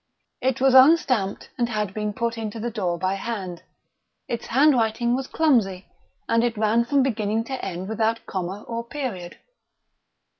It was unstamped, and had been put into the door by hand. Its handwriting was clumsy, and it ran from beginning to end without comma or period.